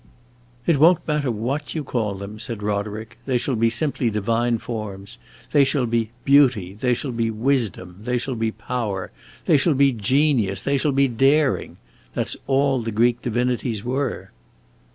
"It won't matter what you call them," said Roderick. "They shall be simply divine forms. They shall be Beauty; they shall be Wisdom; they shall be Power; they shall be Genius; they shall be Daring. That 's all the Greek divinities were."